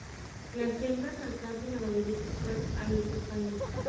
Las hembras alcanzan la madurez sexual a los dos años.